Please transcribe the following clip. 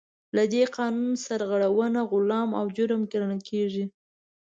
له دې قانون سرغړونه غلا او جرم ګڼل کیږي.